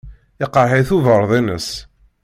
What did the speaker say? Yeqreḥ-it ubeṛdi-nnes.